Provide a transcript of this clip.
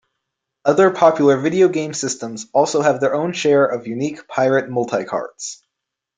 Other popular video game systems also have their own share of unique pirate multicarts.